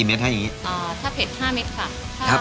ี้๊งตัวตั๋น